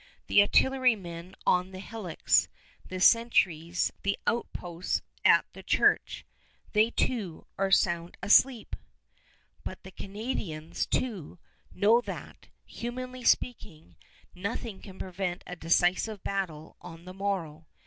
The artillerymen on the hillocks, the sentries, the outposts at the church, they, too, are sound asleep! [Illustration: FITZGIBBONS] But the Canadians, too, know that, humanly speaking, nothing can prevent a decisive battle on the morrow.